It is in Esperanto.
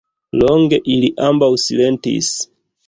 Longe ili ambaŭ silentis.